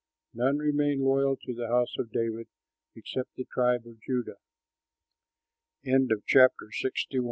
None remained loyal to the house of David except the tribe of Judah. ELIJAH AND THE WIDOW'S